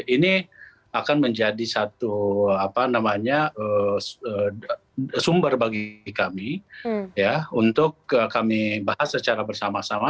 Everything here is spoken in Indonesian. ini akan menjadi satu sumber bagi kami untuk kami bahas secara bersama sama